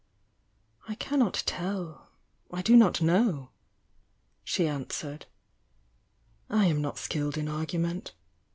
"I cannot tell — I do not know," she answered. "I am not skilled in argument.